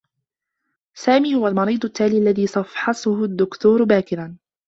سامي هو المريض التّالي الذي سفحصه الدّكتور باكر.